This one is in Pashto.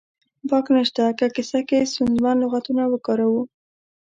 باک نه شته که کیسه کې ستونزمن لغاتونه وکاروو